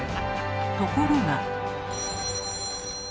ところが。